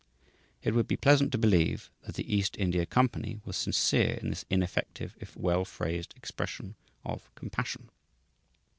It would be pleasant to believe that the East India Company was sincere in this ineffective if well phrased expression of "compassion."